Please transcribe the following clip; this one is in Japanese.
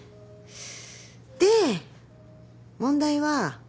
で問題は。